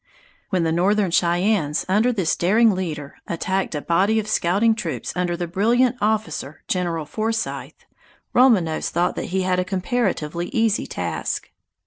When the Northern Cheyennes under this daring leader attacked a body of scouting troops under the brilliant officer General Forsythe, Roman Nose thought that he had a comparatively easy task.